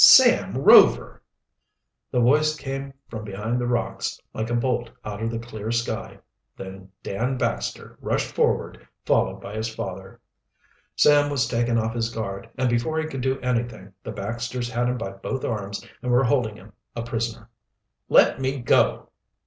"Sam Rover!" The voice came from behind the rocks, like a bolt out of the clear sky. Then Dan Baxter rushed forward, followed by his father. Sam was taken off his guard, and before he could do anything the Baxters had him by both arms and were holding him a prisoner. "Let me go!"